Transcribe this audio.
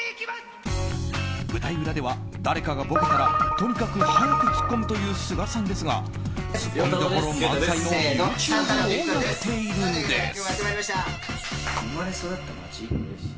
舞台裏では誰かがボケたらとにかく早くツッコむという須賀さんですがツッコミどころ満載のＹｏｕＴｕｂｅをやっているんです。